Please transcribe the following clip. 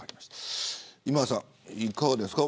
今田さん、いかがですか。